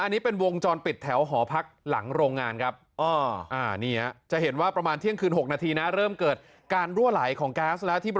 อันนี้เป็นวงจรปิดแถวหอพักหลังโรงงานครับ